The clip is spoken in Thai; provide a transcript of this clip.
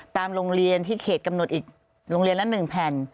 ตามโรงเรียนที่เขตกำหนดอีกโรงเรียนละ๑แผ่น